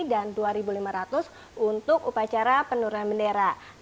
dan rp dua lima ratus untuk upacara penurunan bendera